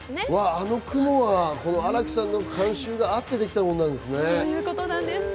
あの雲は荒木さんの監修があってできたんですね。